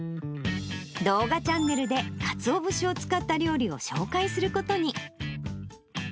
動画チャンネルでかつお節を使った料理を紹介することに。